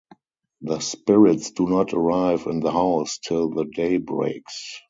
The spirits do not arrive in the house till the day breaks.